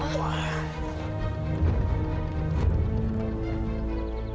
nanti aku akan datang